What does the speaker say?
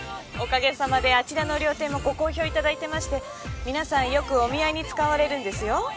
おかげさまであちらの料亭もご好評いただいてまして皆さんよくお見合いに使われるんですよ。